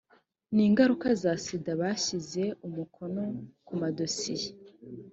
n ingaruka za sida bashyize umukono kumadosiye